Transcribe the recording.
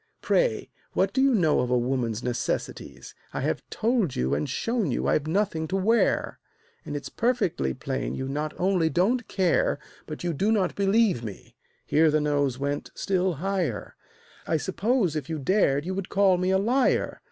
Pray, what do you know of a woman's necessities? I have told you and shown you I've nothing to wear, And it's perfectly plain you not only don't care, But you do not believe me" (here the nose went still higher). "I suppose, if you dared, you would call me a liar.